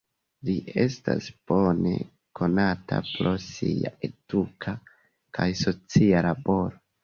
Li estas bone konata pro sia eduka kaj socia laboro.